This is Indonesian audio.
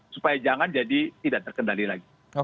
supaya jangan jadi tidak terkendali lagi